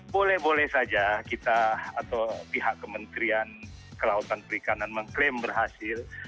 boleh boleh saja kita atau pihak kementerian kelautan perikanan mengklaim berhasil